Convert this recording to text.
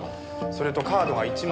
それとカードが１枚。